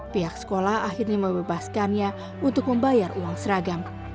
pihak sekolah akhirnya membebaskannya untuk membayar uang seragam